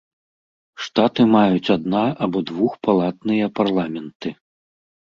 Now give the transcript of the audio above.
Штаты маюць адна- або двухпалатныя парламенты.